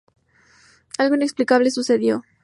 Algo inexplicable sucedió.